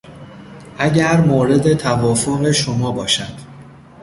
اگر مورد توافق شما باشد